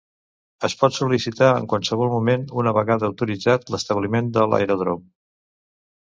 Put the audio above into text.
Es pot sol·licitar en qualsevol moment una vegada autoritzat l'establiment de l'aeròdrom.